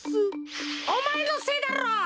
おまえのせいだろ！